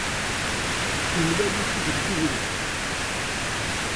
Yemlal-ik-id deg ubrid.